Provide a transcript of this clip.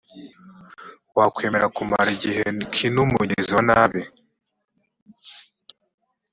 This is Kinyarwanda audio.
wakwemera kumara igihe kiniumugizi wa nabi